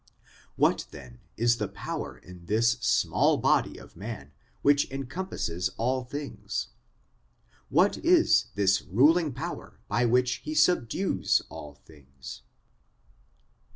What, then, is the power in this small body of man which encompasses all this ? What is this ruling power by which he subdues all things